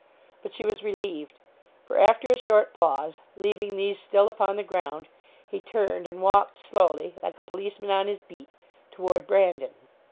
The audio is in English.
But she was relieved; for, after a short pause, leaving these still upon the ground, he turned, and walked slowly, like a policeman on his beat, toward Brandon.